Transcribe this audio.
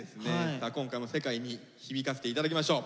さあ今回も世界に響かせていただきましょう。